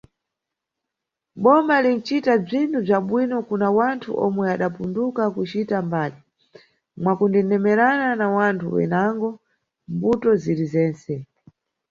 Boma linʼcita bzinthu bza bwino kuna wanthu omwe adapunduka kucita mbali, mwakundendemera na wanthu wenango, mʼmbuto ziri zentse.